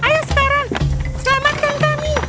ayo sekarang selamatkan kami